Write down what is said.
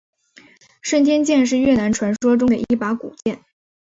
顺天剑是越南传说中的一把古剑。